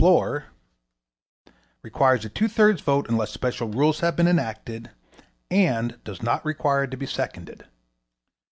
Rule M Requires a two thirds vote unless special rules have been enacted. Rule N Does not require to be seconded.